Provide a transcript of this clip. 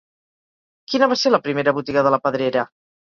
Quina va ser la primera botiga de la Pedrera?